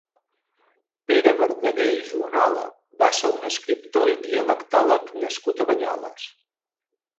Pere Verdaguer i Juanola va ser un escriptor i dialectòleg nascut a Banyoles.